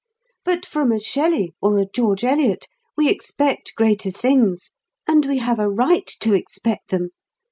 But from a Shelley or a George Eliot, we expect greater things, and we have a right to expect them.